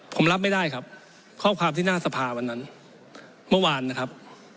ผมรับไม่ได้ครับข้อความที่หน้าสภาวันนั้นเมื่อวานนะครับ